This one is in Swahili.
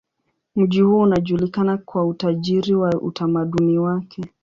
Mji huo unajulikana kwa utajiri wa utamaduni wake.